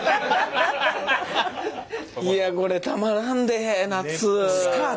いやこれたまらんで夏。